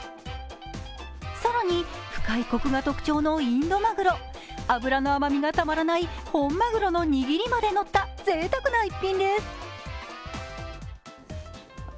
更に深いこくが特徴のインドマグロ、脂の甘みがたまらない本まぐろのにぎりまでのったぜいたくな一品です。